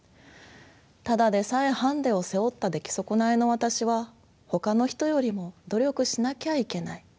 ただでさえハンディを背負った出来損ないの私はほかの人よりも努力しなきゃいけない。